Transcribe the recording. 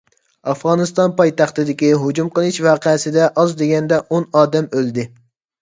ئافغانىستان پايتەختىدىكى ھۇجۇم قىلىش ۋەقەسىدە ئاز دېگەندە ئون ئادەم ئۆلدى.